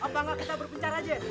apa nggak kita berpencar aja